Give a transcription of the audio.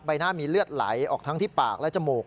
หน้ามีเลือดไหลออกทั้งที่ปากและจมูก